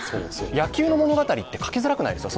野球の物語って書きづらくないですか。